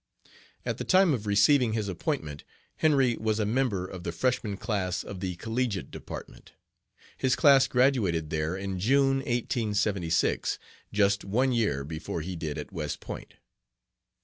At the time of receiving his appointment Henry was a member of the freshman class of the collegiate department. His class graduated there in June, 1876, just one year before he did at West Point.